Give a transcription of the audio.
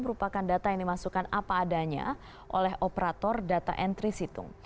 merupakan data yang dimasukkan apa adanya oleh operator data entry situng